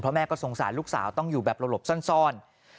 แม่ก็สงสารลูกสาวต้องอยู่แบบหลบซ่อน